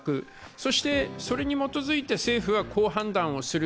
そしてそれに基づいて政府はこう判断をする。